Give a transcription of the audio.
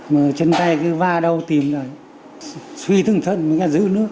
mà chân tay cứ va đau tìm lại suy thương thân với cái giữ nước